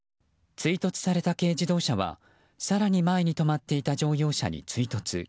追突された軽自動車は更に前に止まっていた乗用車に追突。